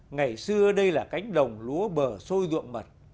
ngày xưa đây là cánh đồng lúa bờ sôi ruộng mật